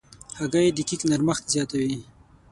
هګۍ د کیک نرمښت زیاتوي.